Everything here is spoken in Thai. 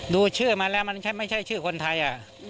ดูชื่อมาแล้วมันไม่ใช่ชื่อคนไทย